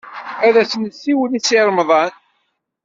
Ad as-nessiwel i Si Remḍan.